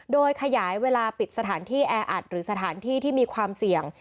โดยขยายเวลาปิดสถานที่แออัดหรือสถานที่ที่มีความเสี่ยง